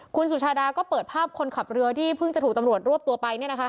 คุณสุชาดาก็เปิดภาพคนขับเรือที่เพิ่งจะถูกตำรวจรวบตัวไป